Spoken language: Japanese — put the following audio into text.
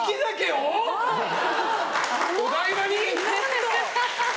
お台場に？